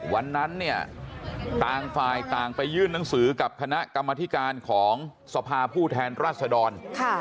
วันนั้นต่างฝ่ายไปยื่นนักศึกรรมและคณะกรรมธการสภาผู้แทนราชดอล